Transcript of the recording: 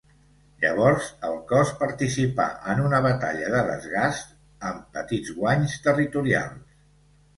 Llavors, el Cos participà en una batalla de desgasts amb petits guanys territorials.